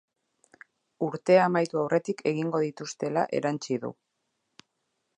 Urtea amaitu aurretik egingo dituztela erantsi du.